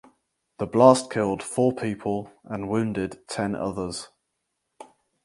The blast killed four people and wounded ten others.